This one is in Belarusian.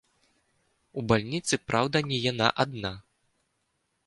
У бальніцы, праўда, не яна адна.